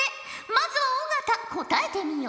まずは尾形答えてみよ。